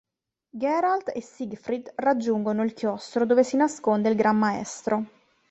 Geralt e Siegfried raggiungono il chiostro dove si nasconde il Gran Maestro.